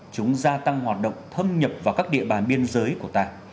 chúng gia tăng hoạt động thâm nhập vào các địa bàn biên giới của ta